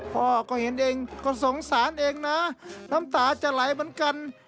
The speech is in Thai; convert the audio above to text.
พ่อก็เห็นเองก็สงสารเองนะน้ำตาจะไหลเหมือนกัน